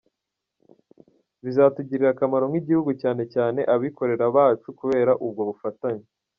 Bizatugirira akamaro nk’igihugu cyane cyane abikorera bacu kubera ubwo bufatanye.